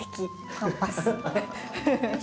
パンパス。